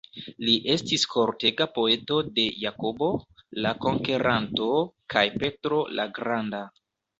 Li estis kortega poeto de Jakobo "la Konkeranto" kaj Petro "la Granda".